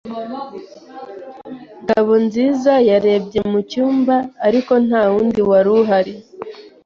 Ngabonziza yarebye mu cyumba, ariko nta wundi wari uhari.